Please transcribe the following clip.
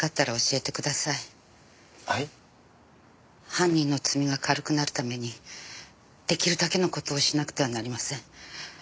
犯人の罪が軽くなるためにできるだけのことをしなくてはなりません。